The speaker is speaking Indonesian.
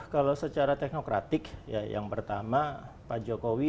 kalau secara teknokratik yang pertama pak jokowi